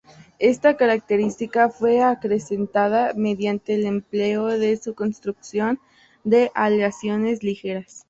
Esta característica fue acrecentada mediante el empleo en su construcción de aleaciones ligeras.